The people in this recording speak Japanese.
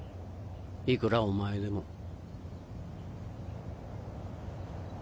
いくらお前でも。